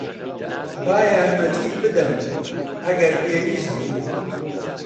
با یارمەتیت بدەم، ئەگەر پێویست بوو.